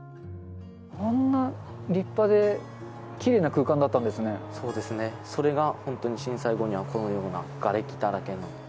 あんな立派できれいな空間だそうですね、それが本当に震災後にはこのようながれきだらけの。